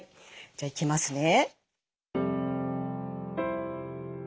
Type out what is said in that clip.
じゃあいきますね。